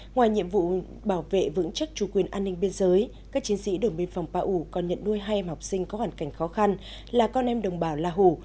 ngoài nhiệm vụ bảo vệ vững chắc chủ quyền an ninh biên giới các chiến sĩ đồn biên phòng pa u còn nhận nuôi hai em học sinh có hoàn cảnh khó khăn là con em đồng bào la hủ